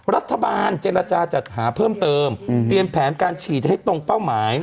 รัฐบาลเจรจาจัดหาเพิ่มเติมเตรียมแผนการฉีดให้ตรงเป้าหมาย